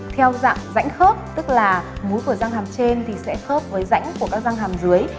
theo dạng rãnh khớp tức là mũi của răng hàm trên sẽ khớp với rãnh của răng hàm dưới